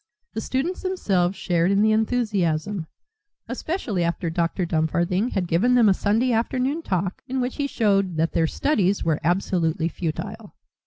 The students themselves shared in the enthusiasm, especially after Dr. Dumfarthing had given them a Sunday afternoon talk in which he showed that their studies were absolutely futile.